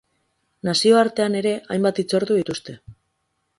Nazioartean ere hainbat hitzordu dituzte.